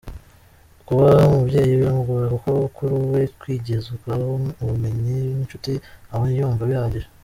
Kuba umubyeyi biramugora kuko kuri we kwigwizaho ubumenyi n’inshuti aba yumva bihagije.